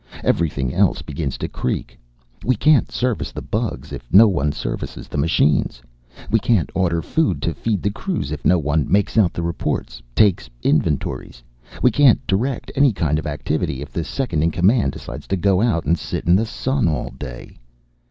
Everything else begins to creak. We can't service the bugs if no one services the machines. We can't order food to feed the crews if no one makes out reports, takes inventories. We can't direct any kind of activity if the Second in Command decides to go out and sit in the sun all day.